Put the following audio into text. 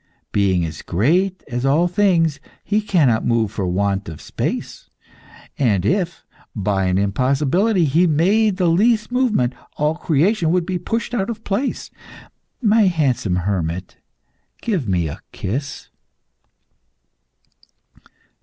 Being as great as all things, he cannot move for want of space, and if, by an impossibility, he made the least movement, all creation would be pushed out of place. My handsome hermit, give me a kiss."